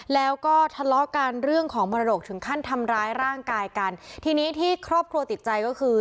แล้วก็ทะเลาะกันเรื่องของมรดกถึงขั้นทำร้ายร่างกายกันทีนี้ที่ครอบครัวติดใจก็คือ